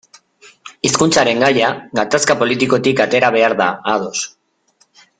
Hizkuntzaren gaia gatazka politikotik atera behar da, ados.